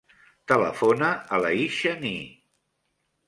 Telefona a l'Aisha Ni.